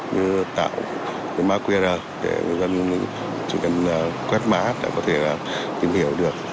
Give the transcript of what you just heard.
như tạo cái marker để người dân chỉ cần quét mã đã có thể tìm hiểu được